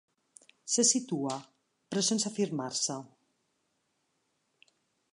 Se situa, però sense afirmar-se.